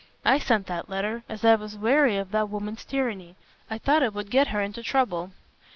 "I sent that letter, as I was weary of that woman's tyranny. I thought it would get her into trouble."